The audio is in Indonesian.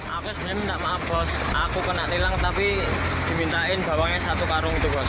aku sebenarnya minta maaf bos aku kena tilang tapi dimintain bawangnya satu karung itu bos